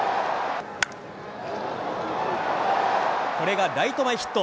これがライト前ヒット。